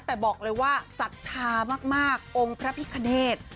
แต่บอกเลยว่าศักดิ์ภาคมากองค์พระพิฆเดช